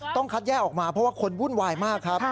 ต้องคัดแยกออกมาเพราะว่าคนวุ่นวายมากครับ